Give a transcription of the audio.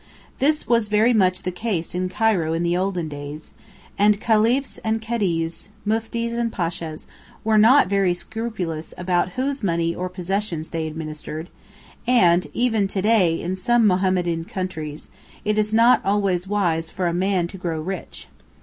This was very much the case in Cairo in the olden days, and khalifs and cadis, muftis and pashas, were not very scrupulous about whose money or possessions they administered, and even to day in some Mohammedan countries it is not always wise for a man to grow rich.